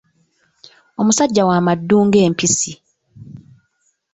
Omusajja wa maddu ng'empisi.